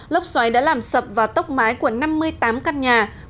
lốc xoáy đã làm sập và tốc mái của năm mươi tám căn nhà